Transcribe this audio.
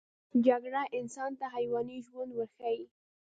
جګړه انسان ته د حیواني ژوند ورښيي